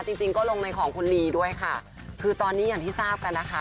จริงจริงก็ลงในของคุณลีด้วยค่ะคือตอนนี้อย่างที่ทราบกันนะคะ